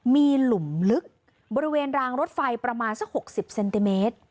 มีหลุมลึกบริเวณรางรถไฟประมาณสัก๖๐เซนติเมตร